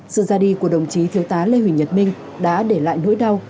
sự ra đi của đồng chí thiếu tá lê huỳnh nhật minh đã để lại nỗi đau